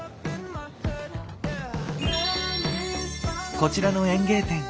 こちらの園芸店